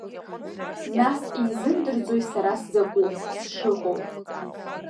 Нас изымдырӡои сара сзакәу, сшыҟоу…